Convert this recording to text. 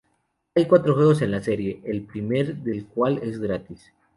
Hay cuatro juegos en la serie, el primer del cual es Gratis.